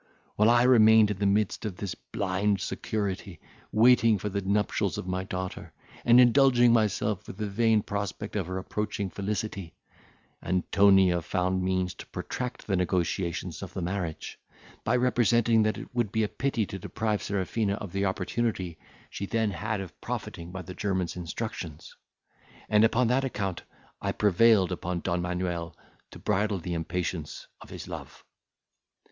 While I remained in the midst of this blind security, waiting for the nuptials of my daughter, and indulging myself with the vain prospect of her approaching felicity, Antonia found means to protract the negotiations of the marriage, by representing that it would be a pity to deprive Serafina of the opportunity she then had of profiting by the German's instructions; and, upon that account, I prevailed upon Don Manuel to bridle the impatience of his love.